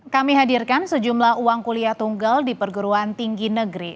kami hadirkan sejumlah uang kuliah tunggal di perguruan tinggi negeri